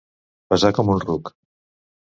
Pesar com un ruc.